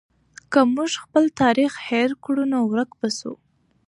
که موږ خپل تاریخ هېر کړو نو ورک به سو.